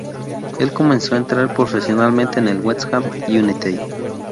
Él comenzó a entrenar profesionalmente en el West Ham United.